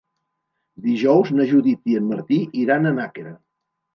Dijous na Judit i en Martí iran a Nàquera.